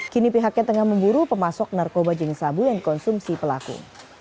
kini pihaknya tengah memburu pemasok narkoba jenis sabu yang dikonsumsi pelaku